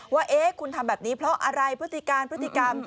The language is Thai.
ว่าคุณทำแบบนี้เพราะอะไรพฤติการพฤติกรรม